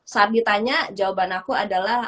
saat ditanya jawaban aku adalah